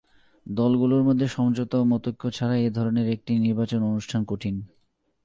দলগুলোর মধ্যে সমঝোতা ও মতৈক্য ছাড়া এ ধরনের একটি নির্বাচন অনুষ্ঠান কঠিন।